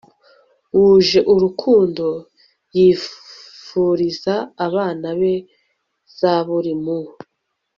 wuje urukundo yifuriza abana be Zaburi Mu